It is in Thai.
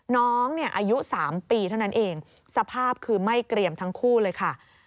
น้องเนี่ยอายุ๓ปีเท่านั้นเองสภาพคือไม่เกรียมทั้งคู่เลยค่ะ